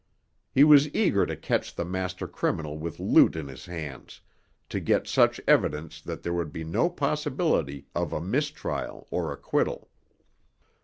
He was eager to catch the master criminal with loot in his hands, to get such evidence that there would be no possibility of a mistrial or acquittal.